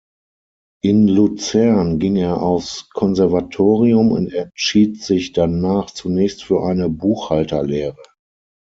In Luzern ging er aufs Konservatorium und entschied sich danach zunächst für eine Buchhalter-Lehre.